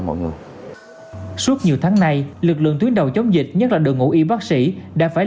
mọi người suốt nhiều tháng nay lực lượng tuyến đầu chống dịch nhất là đội ngũ y bác sĩ đã phải